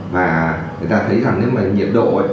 và người ta thấy nhiệt độ